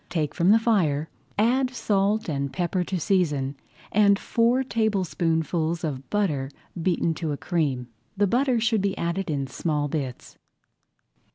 Take from the fire, add salt and pepper to season, and four tablespoonfuls of butter beaten to a cream. The butter should be added in small bits.